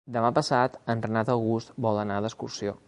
Demà passat en Renat August vol anar d'excursió.